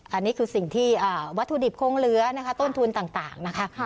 อันนี้คือสิ่งที่วัตถุดิบคงเหลือนะคะต้นทุนต่างนะคะ